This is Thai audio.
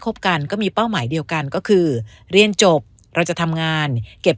บกันก็มีเป้าหมายเดียวกันก็คือเรียนจบเราจะทำงานเก็บ